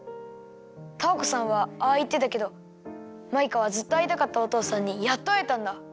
タアコさんはああいってたけどマイカはずっとあいたかったおとうさんにやっとあえたんだ。